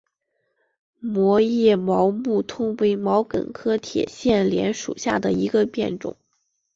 膜叶毛木通为毛茛科铁线莲属下的一个变种。